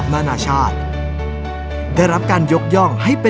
สนุนโดยสถาบันความงามโย